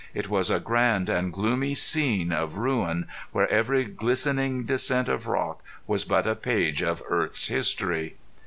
It was a grand and gloomy scene of ruin where every glistening descent of rock was but a page of earth's history.